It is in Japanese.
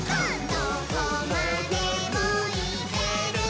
「どこまでもいけるぞ！」